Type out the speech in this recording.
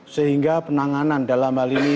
sehingga penanganan dalam hal ini